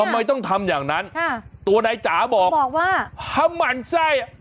ทำไมต้องทำอย่างนั้นฮะตัวใดจ๋าบอกบอกว่าฮะหมั่นไส้